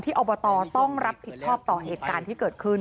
อบตต้องรับผิดชอบต่อเหตุการณ์ที่เกิดขึ้น